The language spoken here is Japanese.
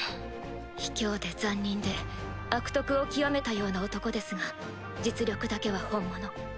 卑怯で残忍で悪徳を極めたような男ですが実力だけは本物。